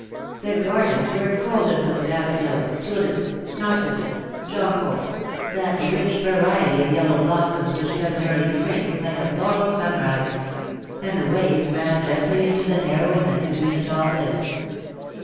The gardens were golden with daffodils, tulips, narcissus, jonquil — that rich variety of yellow blossoms which come in early spring, like a floral sunrise — and the waves ran gently into the narrow inlet between the tall cliff's.